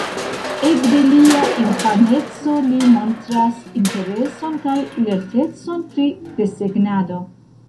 Ekde lia infaneco, li montras intereson kaj lertecon pri desegnado.